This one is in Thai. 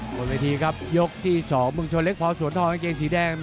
บนเวทีครับยกที่๒มึงชนเล็กพอสวนทองกางเกงสีแดง